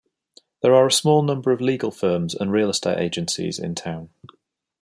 There are a small number of legal firms and real estate agencies in town.